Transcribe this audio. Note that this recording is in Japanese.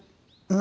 何？